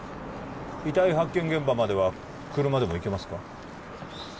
遺体発見現場までは車でも行けますか？